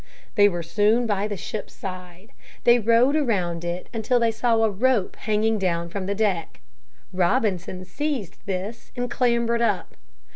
They were soon by the ship's side. They rowed around it until they saw a rope hanging down from the deck. Robinson seized this and clambered up.